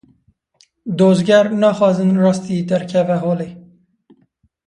Dozger naxwazin rastî derkeve holê.